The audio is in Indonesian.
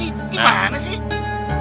di mana sih